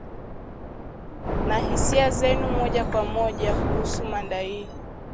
na hisia zenu moja kwa moja kuhusu mada hii